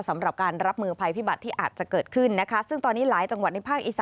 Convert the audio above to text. สำหรับการรับมือภัยพิบัติที่อาจจะเกิดขึ้นนะคะซึ่งตอนนี้หลายจังหวัดในภาคอีสาน